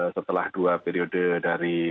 setelah dua periode dari